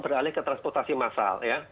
beralih ke transportasi massal ya